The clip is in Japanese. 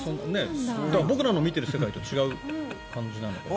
僕らの見ている世界と違う感じなのかな。